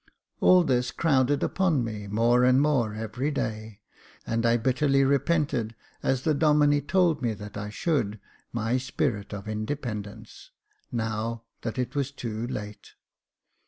All this crowded upon me more and more every day, and I bitterly repented, as the Domine told me that I should, my spirit of in dependence — now that it was too late.